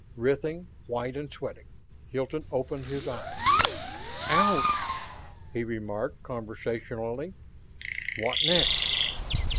Writhing, white and sweating, Hilton opened his eyes. "Ouch," he remarked, conversationally. "What next?"